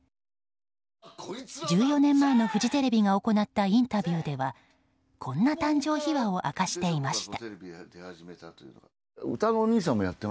１４年前のフジテレビが行ったインタビューではこんな誕生秘話を明かしていました。